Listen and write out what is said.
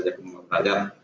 jangka umum rakyat